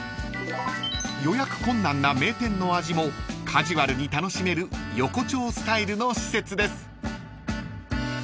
［予約困難な名店の味もカジュアルに楽しめる横丁スタイルの施設です］